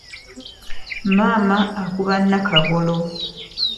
Maama akuba Nnakagolo.